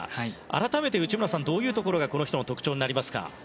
改めて内村さんどういうところがこの人の特徴になりますか？